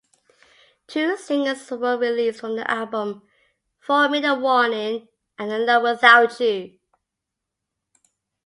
Two singles were released from the album: "Four Minute Warning" and "Alone Without You".